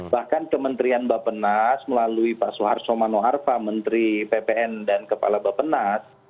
bahkan kementerian bapak nas melalui pak soeharto manoharva menteri ppn dan kepala bapak nas